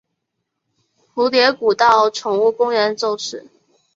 蝴蝶谷道宠物公园就是。